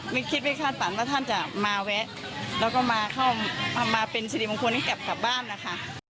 ไม่คิดไม่คาดฝันว่าท่านจะมาแวะแล้วก็มาเข้ามาเป็นสิริมงคลให้กลับกลับบ้านนะคะ